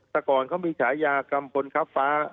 แต่ก่อนเขามีฉายากัมพลครับฟ้า